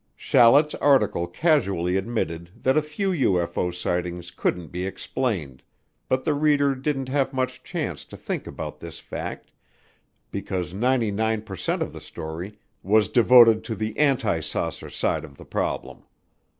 Shallet's article casually admitted that a few UFO sightings couldn't be explained, but the reader didn't have much chance to think about this fact because 99 per cent of the story was devoted to the anti saucer side of the problem.